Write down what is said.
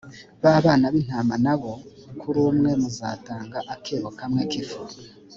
ba bana b’intama na bo, kuri umwe muzatanga akebo kamwe k’ifu.